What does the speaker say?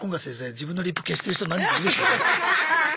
自分のリプ消してる人何人かいるでしょうね。